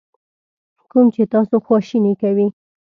کوم چې تاسو خواشینی کوي.